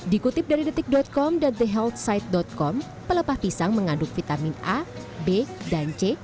dikutip dari detik com dan the healthside com pelepah pisang mengandung vitamin a b dan c